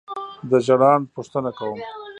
دا ژړاند پوښتنه کوم.